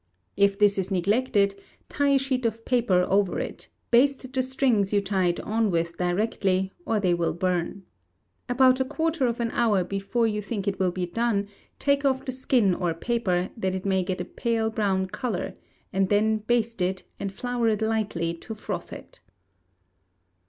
If this is neglected, tie a sheet of paper over it; baste the strings you tie it on with directly, or they will burn. About a quarter of an hour before you think it will be done, take off the skin or paper, that it may get a pale brown colour, and then baste it, and flour it lightly to froth it.